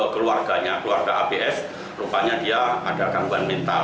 keluarganya keluarga abs rupanya dia ada gangguan mental